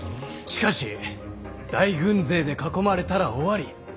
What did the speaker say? しかし大軍勢で囲まれたら終わり。